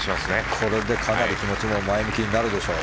これでかなり気持ちが前向きになるでしょう。